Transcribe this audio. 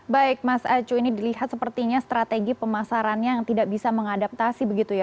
baik mas acu ini dilihat sepertinya strategi pemasarannya yang tidak bisa mengadaptasi begitu ya